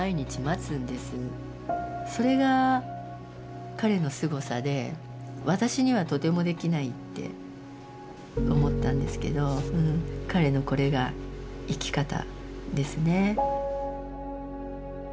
それが彼のすごさで私にはとてもできないって思ったんですけど彼のこれが生き方ですね。